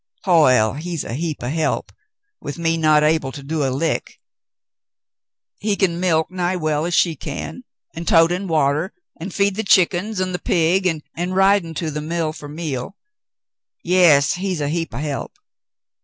Hoyle, he's a heap o' help, with me not able to do a lick. He can milk nigh as well as she can, an' tote in water, an' feed the chick'ns an' th' pig, an' rid'n' to mill fer meal — yas, he's a heap o' help.